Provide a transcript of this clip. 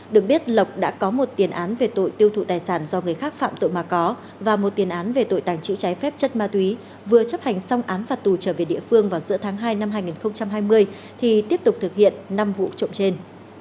được biết lộc đã có một tiền án về tội tiêu thụ tài sản do người khác phạm tội mà có và một tiền án về tội tàng trữ trái phép chất ma túy vừa chấp hành xong án phạt tù trở về địa phương vào giữa tháng hai năm hai nghìn hai mươi thì tiếp tục thực hiện năm vụ trộm trên